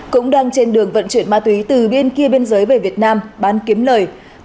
cũng đang trên đường vận chuyển ma túy từ bên kia biên giới về việt nam bán kiếm lời